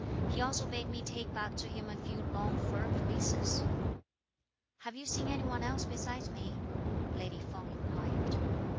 He also bade me take back to him a few long fur pelisses." "Have you seen any one else besides me?" lady Feng inquired.